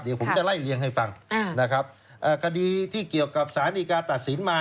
เดี๋ยวผมจะไล่เลี่ยงให้ฟังนะครับคดีที่เกี่ยวกับสารดีการตัดสินมา